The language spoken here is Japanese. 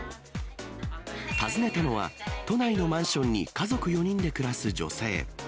訪ねたのは、都内のマンションに家族４人で暮らす女性。